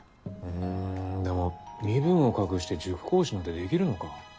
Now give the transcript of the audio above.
うんでも身分を隠して塾講師なんてできるのか？